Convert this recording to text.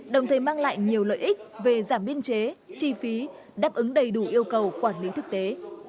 đồng thời mang lại nhiều lợi ích về giảm biên chế chi phí đáp ứng đầy đủ yêu cầu quản lý thực tế